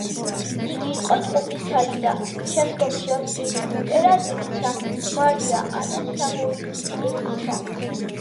იგი იყო ტყუპისცალი და, შემდგომში ავსტრიის იმპერატრიცა მარია ანა სავოიელისა.